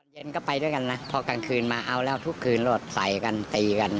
เย็นก็ไปด้วยกันนะพอกลางคืนมาเอาแล้วทุกคืนรถใส่กันตีกัน